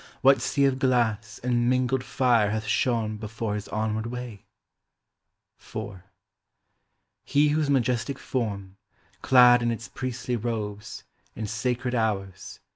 What sea of glass and mingled fire hath shone Before his onward way? 92 A VANISHED PRESENCE. IV. He whose majestic form, Clad in its priestly robes, in sacred hours.